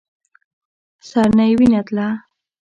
سر نه يې وينه تله.